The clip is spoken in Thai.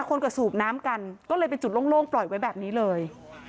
คนก็สูบน้ำกันก็เลยเป็นจุดโล่งปล่อยไว้แบบนี้เลย